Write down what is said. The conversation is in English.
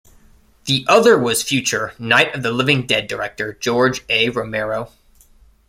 The other was future "Night Of The Living Dead" director George A. Romero.